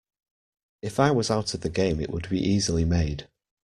If I was out of the game it would be easily made.